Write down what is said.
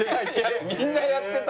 みんなやってた。